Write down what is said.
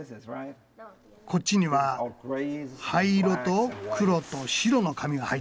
こっちには灰色と黒と白の紙が入ってるんだ。